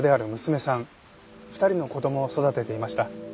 ２人の子供を育てていました。